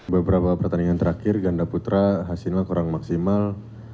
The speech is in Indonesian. beberapa pertandingan terakhir ganda putra hasilnya kurang maksimal